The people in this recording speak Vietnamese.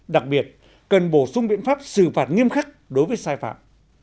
đặc biệt cần bổ sung biện pháp xử phạt nghiêm khắc đối với sai phạm